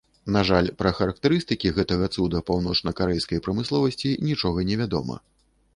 На жаль, пра характарыстыкі гэтага цуда паўночнакарэйскай прамысловасці нічога невядома.